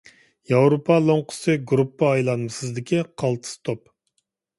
ياۋروپا لوڭقىسى گۇرۇپپا ئايلانمىسىدىكى قالتىس توپ.